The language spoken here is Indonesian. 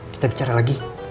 kita bicara lagi